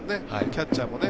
キャッチャーもね。